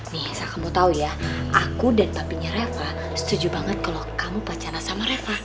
nih asal kamu tau ya aku dan papinya reva setuju banget kalo kamu pacaran sama reva